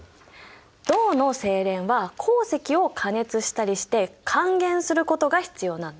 銅の製錬は鉱石を加熱したりして還元することが必要なんだ。